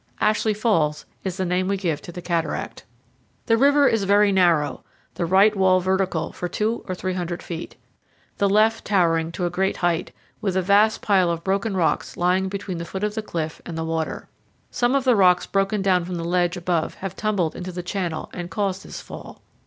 Ashley Falls is the name we give to the cataract. The river is very narrow, the right wall vertical for 200 or 300 feet, the left towering to a great height, with a vast pile of broken rocks lying between the foot of the cliff and the water. Some of the rocks broken down from the ledge above have tumbled into the channel and caused this fall.